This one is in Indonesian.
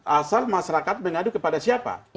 asal masyarakat mengadu kepada siapa